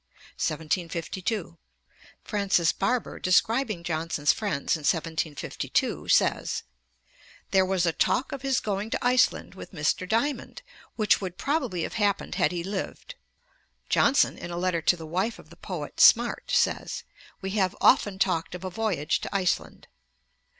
Ib. No. 150. 1752. Francis Barber, describing Johnson's friends in 1752, says: 'There was a talk of his going to Iceland with Mr. Diamond, which would probably have happened had he lived.' Ante, i. 242. Johnson, in a letter to the wife of the poet Smart, says, 'we have often talked of a voyage to Iceland.'